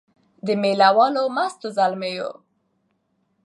د مېله والو مستو زلمیو